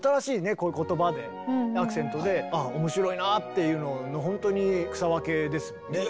こういう言葉でアクセントであぁ面白いなっていうのの本当に草分けですもんね。